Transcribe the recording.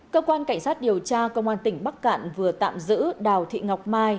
cơ quan cảnh sát điều tra công an tỉnh bắc cạn vừa tạm giữ đào thị ngọc mai